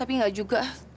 tapi enggak juga